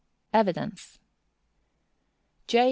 Evidence. _J.